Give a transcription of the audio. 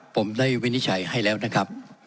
ผมได้วินิจฉัยให้แล้วนะครับ